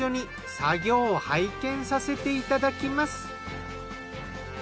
作業を拝見させていただきます。